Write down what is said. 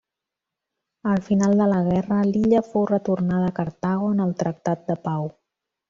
Al final de la guerra l'illa fou retornada a Cartago en el tractat de pau.